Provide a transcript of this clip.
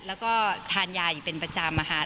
แล้วก็ทานยาอยู่เป็นประจำอะค่ะ